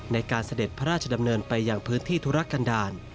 เสด็จพระราชดำเนินไปอย่างพื้นที่ธุรกันดาล